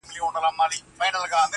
اوښان ډوب سول د ځانو په اندېښنو کي؛